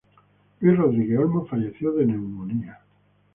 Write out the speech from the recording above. Luis Rodríguez Olmo falleció de neumonía.